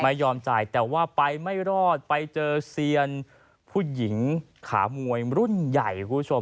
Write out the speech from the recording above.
ยอมจ่ายแต่ว่าไปไม่รอดไปเจอเซียนผู้หญิงขามวยรุ่นใหญ่คุณผู้ชม